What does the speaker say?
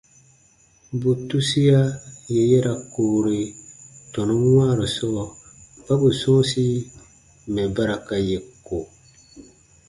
Bù tusia yè ya ra koore tɔnun wãaru sɔɔ kpa bù sɔ̃ɔsi mɛ̀ ba ra ka yè ko.